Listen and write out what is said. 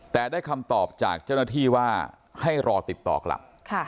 แต่ได้คำตอบจากเจ้าหน้าที่ว่าให้รอติดต่อกลับ